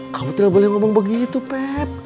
kamu tidak boleh ngomong begitu pep